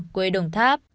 quê đồng tháp